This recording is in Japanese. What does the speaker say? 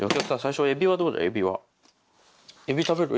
エビ食べる？